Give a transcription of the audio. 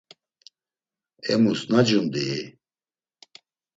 Emus nacundii?